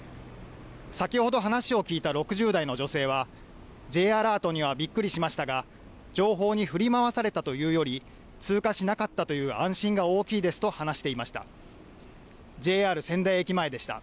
先ほど話を聞いた６０代の女性はＪアラートにはびっくりしましたが情報に振り回されたというより通過しなかったという安心が大きいですと話していました。